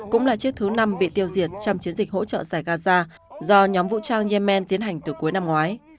cũng là chiếc thứ năm bị tiêu diệt trong chiến dịch hỗ trợ giải gaza do nhóm vũ trang yemen tiến hành từ cuối năm ngoái